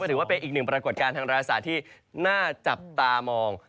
ถือว่าเป็นอีกหนึ่งปรากฏการณ์ทางราศาสตร์ที่น่าจับตามอง